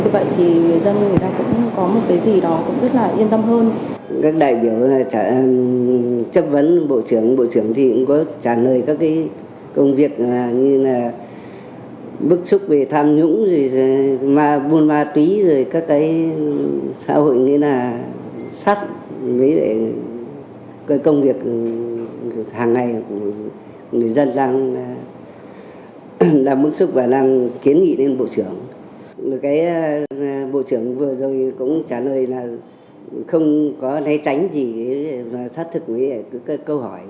phần trả lời chất vấn của bộ trưởng bộ công an tô lâm trước các đại biểu quốc hội